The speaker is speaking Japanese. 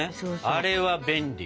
あれは便利。